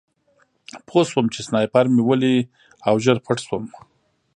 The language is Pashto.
پوه شوم چې سنایپر مې ولي او ژر پټ شوم